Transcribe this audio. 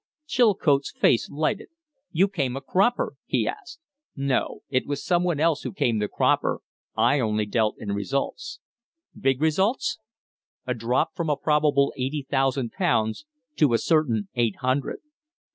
Chilcote's face lighted. "You came a cropper?" he asked. "No. It was some one else who came the cropper I only dealt in results." "Big results?" "A drop from a probable eighty thousand pounds to a certain eight hundred."